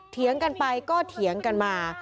เถียงกันไปก็เถียงกันมา